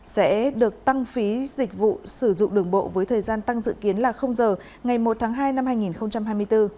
sẽ được tăng phí dịch vụ sử dụng đường bộ với thời gian tăng dự kiến là giờ ngày một tháng hai năm hai nghìn hai mươi bốn